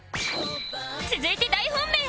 続いて大本命